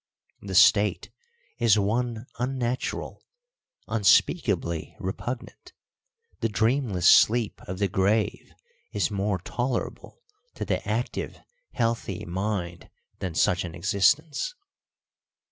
The state is one unnatural, unspeakably repugnant: the dreamless sleep of the grave is more tolerable to the active, healthy mind than such an existence.